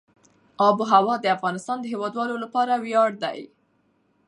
آب وهوا د افغانستان د هیوادوالو لپاره ویاړ دی.